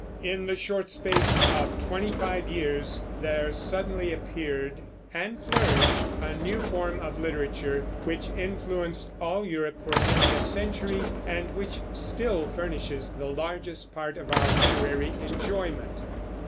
In the short space of twenty five years there suddenly appeared and flourished a new form of literature, which influenced all Europe for nearly a century, and which still furnishes the largest part of our literary enjoyment.